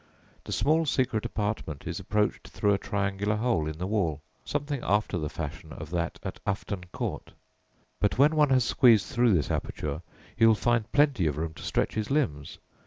The small secret apartment is approached through a triangular hole in the wall, something after the fashion of that at Ufton Court; but when one has squeezed through this aperture he will find plenty of room to stretch his limbs.